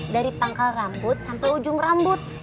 dari pangkal rambut sampai ujung rambut